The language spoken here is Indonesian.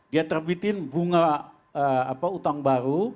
dia terbitin bunga utang baru